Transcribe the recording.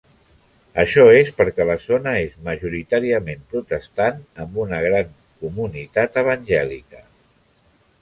Això és perquè la zona és majoritàriament protestant, amb una gran comunitat evangèlica.